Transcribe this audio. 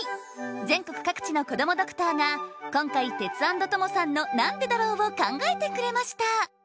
全国各地のこどもドクターが今回テツａｎｄトモさんの「なんでだろう」を考えてくれました